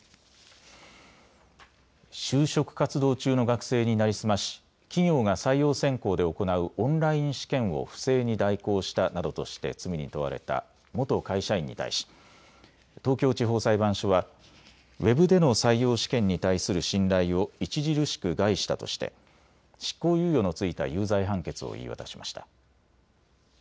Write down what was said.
就職活動中の学生に成り済まし企業が採用選考で行うオンライン試験を不正に代行したなどとして罪に問われた元会社員に対し東京地方裁判所はウェブでの採用試験に対する信頼を著しく害したとして執行猶予の付いた有罪判決を言い渡しました。